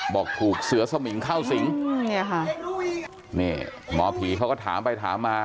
บอกถูกเสือสมิงเข้าสิงเนี่ยค่ะนี่หมอผีเขาก็ถามไปถามมา